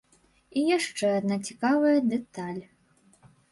І яшчэ адна цікавая дэталь.